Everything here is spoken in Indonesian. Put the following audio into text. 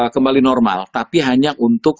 kembali normal tapi hanya untuk